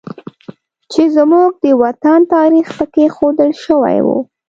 چې زموږ د وطن تاریخ پکې ښودل شوی و